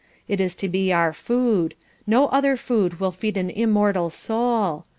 It is to be our food; no other food will feed an immortal soul.